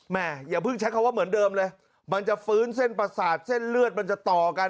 อย่าเพิ่งใช้คำว่าเหมือนเดิมเลยมันจะฟื้นเส้นประสาทเส้นเลือดมันจะต่อกัน